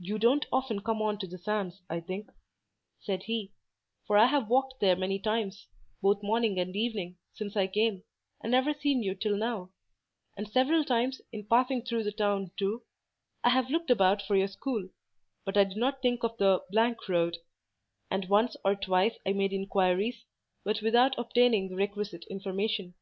"You don't often come on to the sands, I think," said he, "for I have walked there many times, both morning and evening, since I came, and never seen you till now; and several times, in passing through the town, too, I have looked about for your school—but I did not think of the —— Road; and once or twice I made inquiries, but without obtaining the requisite information."